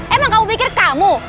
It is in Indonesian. emang kamu pikir kamu